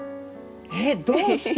えどうして？